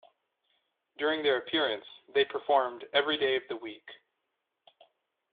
During their appearance, they performed "Every Day of the Week".